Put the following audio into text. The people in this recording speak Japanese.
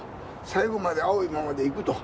最後まで青いままでいくと。